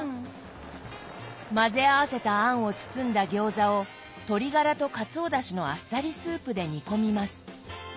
混ぜ合わせた餡を包んだ餃子を鶏ガラとカツオだしのあっさりスープで煮込みます。